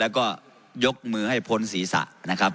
แล้วก็ยกมือให้พ้นศีรษะนะครับ